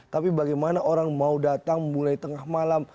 tapi bagaimana orang mau datang mulai tengah malam